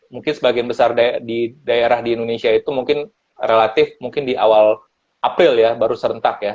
mungkin sebagian besar di daerah di indonesia itu mungkin relatif mungkin di awal april ya baru serentak ya